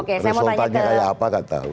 resultannya kayak apa gak tahu